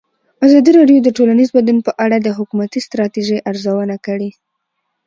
ازادي راډیو د ټولنیز بدلون په اړه د حکومتي ستراتیژۍ ارزونه کړې.